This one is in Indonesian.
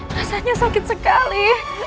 rasanya sakit sekali